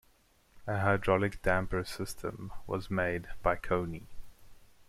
A hydraulic damper system was made by Koni.